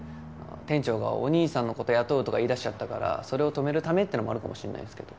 店長がお兄さんの事雇うとか言い出しちゃったからそれを止めるためってのもあるかもしれないですけど。